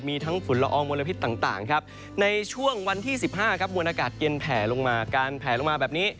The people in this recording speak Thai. มีทั้งฝุ่นละอองมลพิษต่างครับในช่วงวันที่๑๕ครับมวลอากาศเย็นแผลลงมาการแผลลงมาแบบนี้